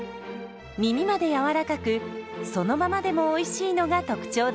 みみまでやわらかくそのままでもおいしいのが特徴です。